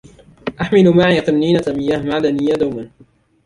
أحمل معي قنينة مياه معدنيّة دومًا.